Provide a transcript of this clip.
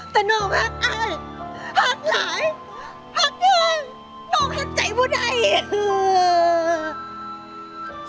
แต่น้องฮักอ้ายฮักหลายฮักด้วยน้องฮักใจพูดไออีก